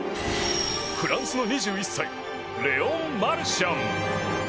フランスの２１歳レオン・マルシャン。